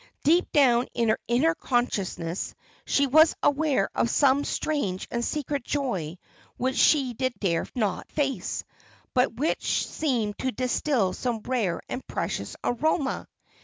Deep down in her inner consciousness, she was aware of some strange and secret joy which she dare not face, but which seemed to distil some rare and precious aroma.